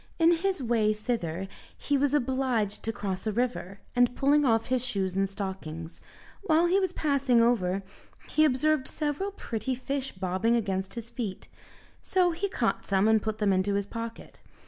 In his way thither, he was obliged to cross a river, and pulling off his shoes and stockings, while he was passing over he observed several pretty fish bobbing against his feet; so he caught some and put them into his pocket.